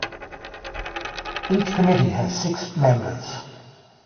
Each committee has six members.